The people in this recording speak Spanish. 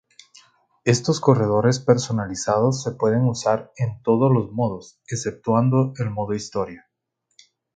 Estos corredores personalizados se pueden usar en todos los modos exceptuando el Modo Historia.